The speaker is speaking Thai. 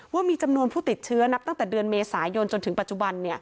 ว่ามีจำนวนผู้ติดเชื้อนับตั้งแต่เดือนเมษายนจนถึงปัจจุบัน